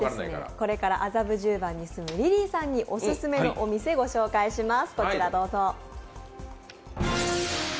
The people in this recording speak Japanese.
これから麻布十番に住むリリーさんにおすすめのお店、ご紹介します。